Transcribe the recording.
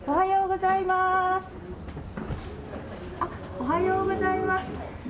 おはようございます。